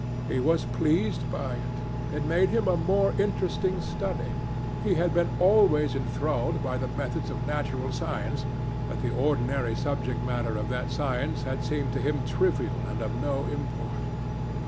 He was pleased by it. It made him a more interesting study. He had been always enthralled by the methods of natural science, but the ordinary subject matter of that science had seemed to him trivial and of no import.